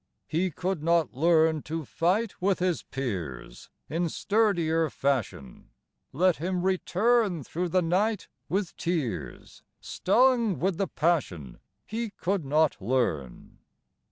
He could not learn To fight with his peers In sturdier fashion; Let him return Through the night with tears, Stung with the passion He could not learn.